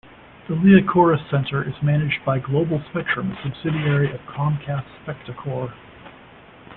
The Liacouras Center is managed by Global Spectrum, a subsidiary of Comcast-Spectacor.